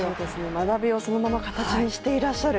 学びをそのまま形にしていらっしゃる。